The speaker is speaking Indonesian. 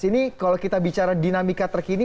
ini kalau kita bicara dinamika terkini